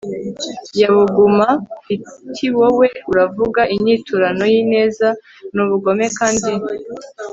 ya buguma itiwowe uravuga! inyiturano y'ineza ni ubugome kandi